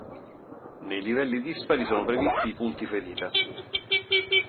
Nei livelli dispari sono previsti i punti ferita.